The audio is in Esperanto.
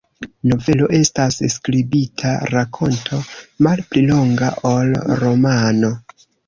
Novelo estas skribita rakonto, malpli longa ol romano.